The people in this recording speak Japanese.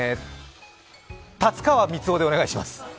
達川光男でお願いします。